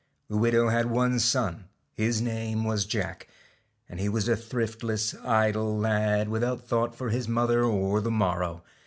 The widow had one son, his name was Jacjg^. and he was a thriftless, idle lad, without thought for his mother or the morrow.